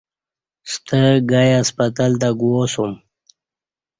ستہ گای ہسپتال تہ گواسوم